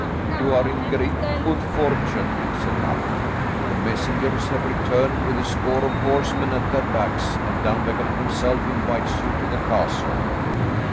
"You are in great good fortune," said Malcolm. "The messengers have returned with a score of horsemen at their backs, and Dunvegan himself invites you to the castle."